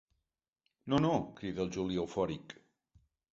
No, no —crida el Juli, eufòric—.